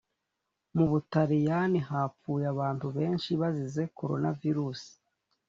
Mubutaliyani hapfuye abantu benshi bazize corona virusi